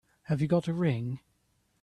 Have you got a ring?